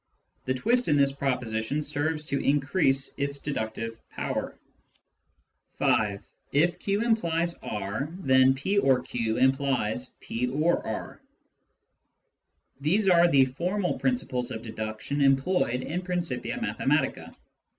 (The twist in this proposition serves to increase its deductive power.) 150 Introduction to Mathematica Philosophy (5) If q implies r, then " p or q " implies " p or r." These are the formal principles of deduction employed in Principia Mathematica.